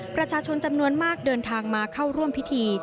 ประชาชนจำนวนมากเดินทางมาเข้าร่วมพิธี